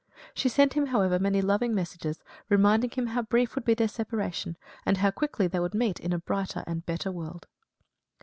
She sent him, however, many loving messages, reminding him how brief would be their separation, and how quickly they would meet in a brighter and better world.